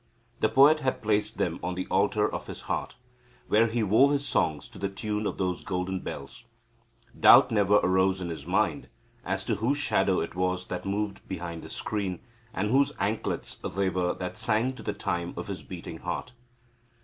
The poet had placed them on the altar of his heart, where he wove his songs to the tune of those golden bells. Doubt never arose in his mind as to whose shadow it was that moved behind the screen, and whose anklets they were that sang to the time of his beating heart.